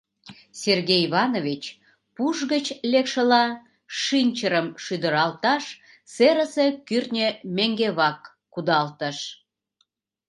Сергей Иванович, пуш гыч лекшыла, шинчырым шӱдыралташ, серысе кӱртньӧ меҥге вак кудалтыш.